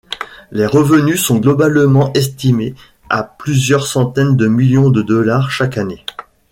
Les revenus sont globalement estimés à plusieurs centaines de millions de dollars chaque année.